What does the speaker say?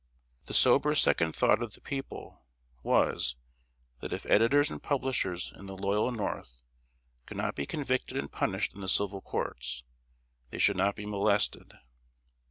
The sober second thought of the people was, that if editors and publishers in the loyal North could not be convicted and punished in the civil courts, they should not be molested.